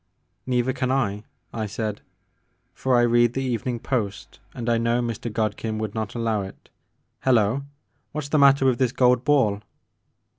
*" "Neither can I," I said, "for I read the Evening Post, and I know Mr. Godkin would not allow it. Hello I What 's the matter with this gold ball?"